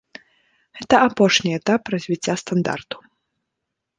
Гэта апошні этап развіцця стандарту.